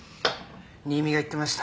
新見が言ってました。